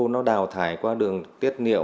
nó đào thải qua đường tiết niệu